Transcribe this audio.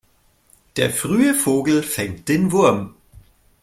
Der frühe Vogel fängt den Wurm.